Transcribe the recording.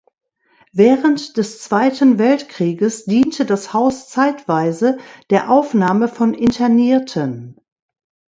Während des Zweiten Weltkrieges diente das Haus zeitweise der Aufnahme von Internierten.